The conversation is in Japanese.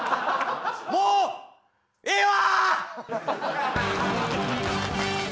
もうええわ！